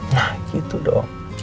nah gitu dong